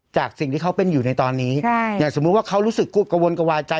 จากสิ่งที่เขาเป็นอยู่ในตอนนี้ใช่อย่างสมมุติว่าเขารู้สึกกระวนกระวายใจ